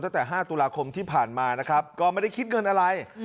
ตั้งแต่๕ตุลาคมที่ผ่านมานะครับก็ไม่ได้คิดเงินอะไร